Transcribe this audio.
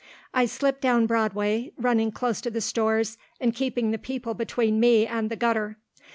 I slipped down Broadway, running close to the stores and keeping the people between me and the gutter.